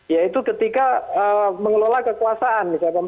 ya itu ketika mengelola kekuasaan misalnya